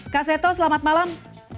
kak seto selamat malam